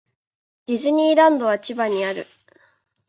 ディズニーランドは千葉にある